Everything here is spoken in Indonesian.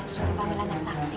suruh kamil antar taksi